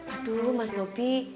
aduh mas bopi